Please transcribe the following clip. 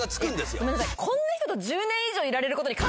ごめんなさい。